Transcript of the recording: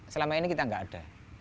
selama ini kita tidak ada